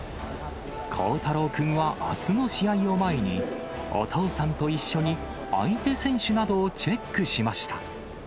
幸太朗君はあすの試合を前に、お父さんと一緒に相手選手などをチェックしました。